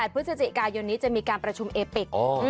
๑๖๑๘พฤศจิกายนจะมีการประชุมเอปิก